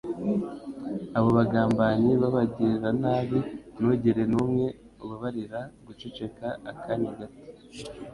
abo bagambanyi b’abagiranabi ntugire n’umwe ubabarira guceceka akanya gato